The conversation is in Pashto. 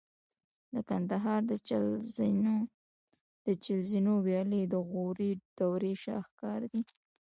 د کندهار د چل زینو ویالې د غوري دورې شاهکار دي